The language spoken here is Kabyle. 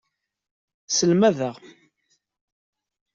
Selmadeɣ.